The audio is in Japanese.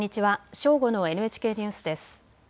正午のＮＨＫニュースです。